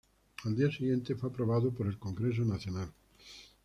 Al día siguiente fue aprobado por el Congreso Nacional.